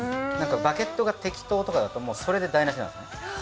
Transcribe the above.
バケットが適当とかだともうそれで台なしなんですね。